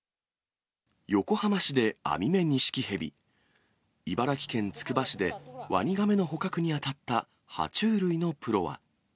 横浜市でアミメニシキヘビ、茨城県つくば市でワニガメの捕獲に当たったは虫類のプロは。